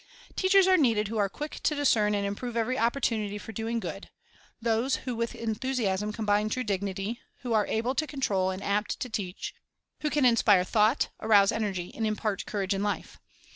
Teachers are needed who are quick to discern and improve every opportunity for doing good; those who with enthusiasm combine true dignity; who are able to control, and "apt to teach;" who can inspire thought, arouse energy, and impart courage and life.